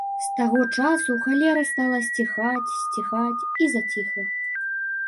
З таго часу халера стала сціхаць, сціхаць і заціхла.